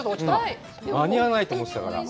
間に合わないと思ってたから。